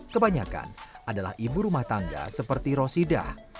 kebanyakan adalah ibu rumah tangga seperti rosidah